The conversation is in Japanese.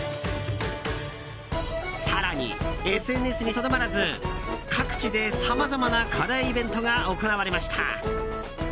更にＳＮＳにとどまらず各地でさまざまなカレーイベントが行われました。